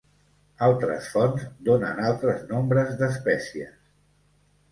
Altres fonts donen altres nombres d'espècies.